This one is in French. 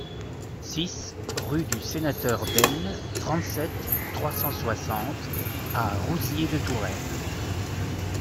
six rue du Sénateur Belle, trente-sept, trois cent soixante à Rouziers-de-Touraine